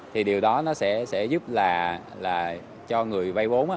thì điều đó sẽ giúp cho người vai vốn